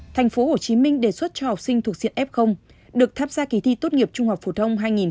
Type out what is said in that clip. thành phố hồ chí minh đề xuất cho học sinh thuộc diện f được thắp ra kỳ thi tốt nghiệp trung học phổ thông hai nghìn hai mươi hai